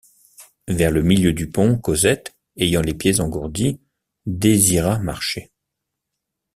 Vers le milieu du pont, Cosette, ayant les pieds engourdis, désira marcher.